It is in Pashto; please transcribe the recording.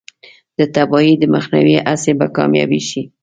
د تباهۍ د مخنیوي هڅې به کامیابې شي.